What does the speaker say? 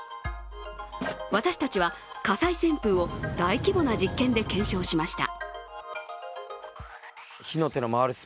私たちは火災旋風を大規模な実験で検証しました。